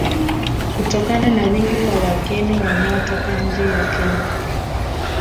Kutokana na wingi wa wageni wanaotoka nje ya nchi